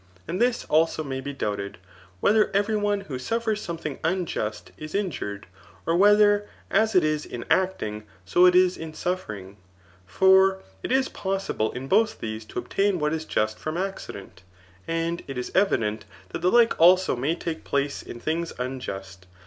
And this also may be doubted, whether every one who suffers something imjust is injured; or whether as it is in acting, so it is in suffering ? For it is possible in both these to obtain what is just from accident. And it is evi* dent that the like may also take place in things unjust.